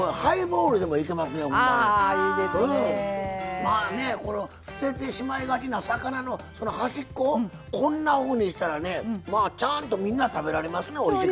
まあねこの捨ててしまいがちな魚のその端っここんなふうにしたらねちゃんとみんな食べられますねおいしく。